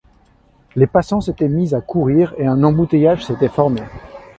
Les passants s’étaient mis à courir et un embouteillage s’était formé.